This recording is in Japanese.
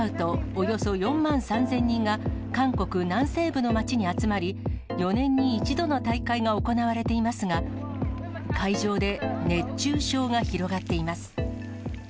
およそ４万３０００人が、韓国南西部の街に集まり、４年に１度の大会が行われていますが、会場で熱中症が広がっています。